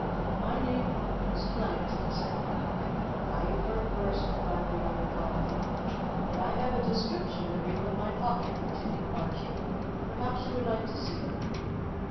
"My name is Flemington," said he. "A've heard worse," replied the other calmly. "And I have a description of you in my pocket," continued Archie. "Perhaps you would like to see it."